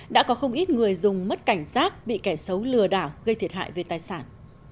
đã có không ít người dùng mất cảnh giác bị kẻ xấu lừa đảo gây thiệt hại về tài sản